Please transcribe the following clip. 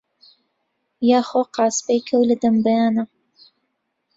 یا خۆ قاسپەی کەو لەدەم بەیانا